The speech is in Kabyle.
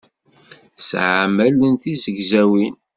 Tesɛam allen d tizegzawin.